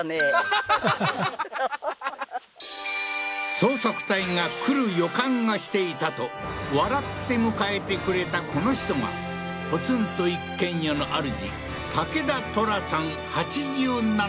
捜索隊が来る予感がしていたと笑って迎えてくれたこの人がポツンと一軒家のあるじ